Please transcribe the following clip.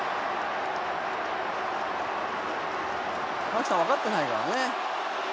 「マキさんわかってないからね」